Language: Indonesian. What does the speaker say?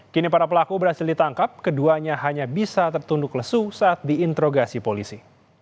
kini para pelaku berhasil ditangkap keduanya hanya bisa tertunduk lesu saat diinterogasi polisi